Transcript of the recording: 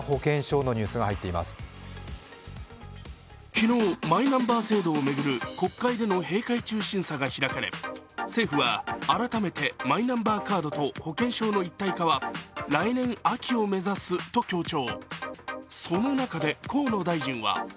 昨日、マイナンバー制度を巡る国会での閉会中審査が開かれ政府は改めてマイナンバーカードと保険証の一体化は来年秋を目指すと強調。